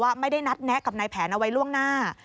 ไม่ได้นัดแนะกับนายแผนเอาไว้ล่วงหน้า